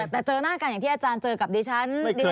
แต่เจอหน้ากันอย่างที่อาจารย์เจอกับดิฉัน